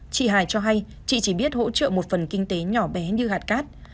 chị hà cho hay chị chỉ biết hỗ trợ một phần kinh tế nhỏ bé như hạt cát